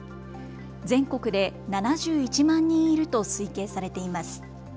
全国で７１万人いると推計されています。